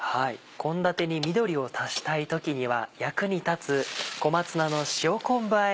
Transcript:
献立に緑を足したい時には役に立つ「小松菜の塩昆布あえ」